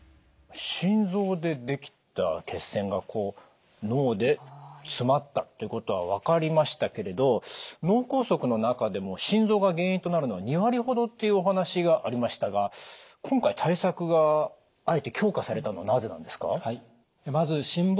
心臓でできた血栓がこう脳で詰まったっていうことは分かりましたけれど脳梗塞の中でも心臓が原因となるのは２割ほどっていうお話がありましたが今回対策があえて強化されたのはなぜなんですか？